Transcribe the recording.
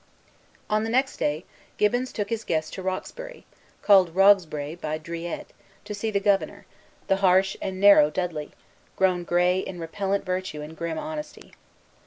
On the next day, Gibbons took his guest to Roxbury, called Rogsbray by Druilletes, to see the Governor, the harsh and narrow Dudley, grown gray in repellent virtue and grim honesty.